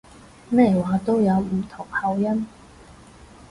咩話都有唔同口音